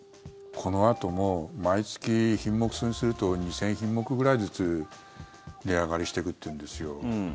このあとも毎月、品目数にすると２０００品目ぐらいずつ値上がりしていくというんです。